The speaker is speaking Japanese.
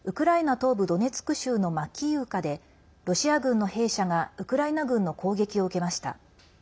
東部ドネツク州のマキイウカでロシア軍の兵舎がウクライナ軍の攻撃を受けました。